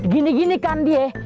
gini gini kan dia